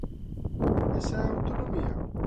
¿Esa é a autonomía?